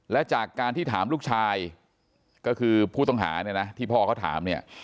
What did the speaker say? และจากการที่ถามลูกชายก็คือผู้ต้องหาเนี่ยนะที่พ่อเขาถามเนี่ย